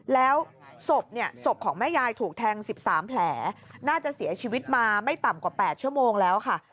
แล้วศพเนี่ยศพของแม่ยายถูกแทง๑๓แผลน่าจะเสียชีวิตมาไม่ต่ำกว่า๘ชั่วโมงแล้วค่ะ